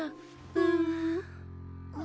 うん。